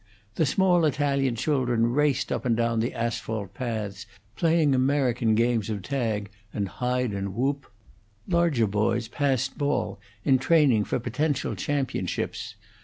The small Italian children raced up and down the asphalt paths, playing American games of tag and hide and whoop; larger boys passed ball, in training for potential championships.